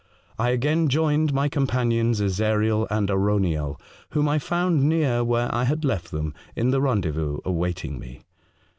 I again joined my companions, Ezariel and Arauniel, whom I found near where I had left them in the rendezvous awaiting me.